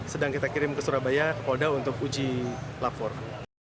sedang kita kirim ke surabaya oda untuk uji lapor